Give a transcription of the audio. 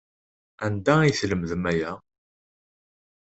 Anda ay tlemdem aya?